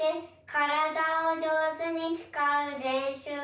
からだをじょうずにつかうれんしゅうをします。